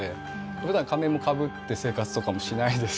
普段仮面をかぶって生活とかもしないですし。